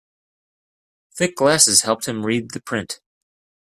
Thick glasses helped him read the print.